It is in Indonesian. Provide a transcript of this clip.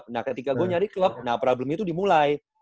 nah ketika gue nyari klub nah problemnya itu dimulai